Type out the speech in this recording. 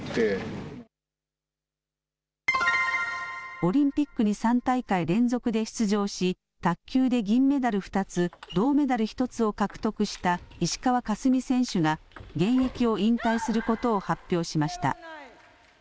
オリンピックに３大会連続で出場し卓球で銀メダル２つ、銅メダル１つを獲得した石川佳純選手が現役を引退することを発表しました。